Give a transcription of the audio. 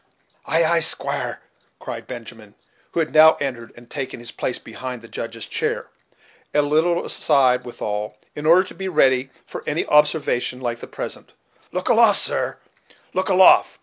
"Ay! ay! squire," cried Benjamin, who had now entered and taken his place behind the Judge's chair, a little aside withal, in order to be ready for any observation like the present; "look aloft, sir, look aloft.